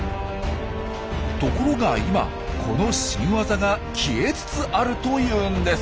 ところが今この新ワザが消えつつあるというんです。